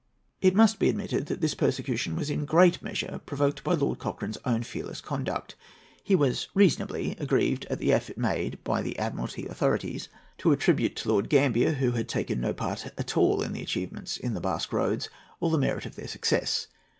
It must be admitted that this persecution was in great measure provoked by Lord Cochrane's own fearless conduct. He was reasonably aggrieved at the effort made by the Admiralty authorities to attribute to Lord Gambier, who had taken no part at all in the achievements in Basque Roads, all the merit of their success.